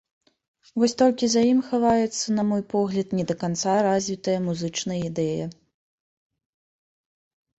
Вось толькі за ім хаваецца, на мой погляд, не да канца развітая музычная ідэя.